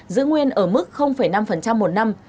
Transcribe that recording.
giữ nguyên ở mức năm một năm